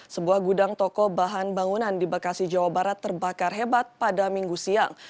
sebuah gudang toko bahan bangunan di bekasi jawa barat terbakar hebat pada minggu siang